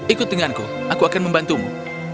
ikut denganku aku akan membantumu